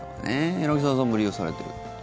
柳澤さんも利用されてる？